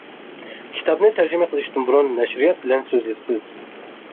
كىتابنى تەرجىمە قىلىشتىن بۇرۇن، نەشرىيات بىلەن سۆزلىشىسىز.